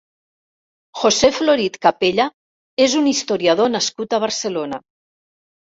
José Florit Capella és un historiador nascut a Barcelona.